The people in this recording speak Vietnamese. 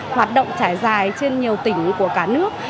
hoạt động trải dài trên nhiều tỉnh của cả nước